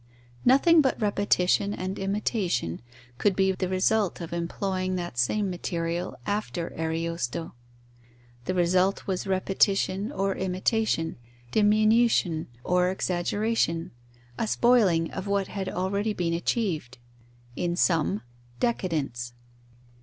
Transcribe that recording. Nothing but repetition and imitation could be the result of employing that same material after Ariosto. The result was repetition or imitation, diminution or exaggeration, a spoiling of what had already been achieved; in sum, decadence.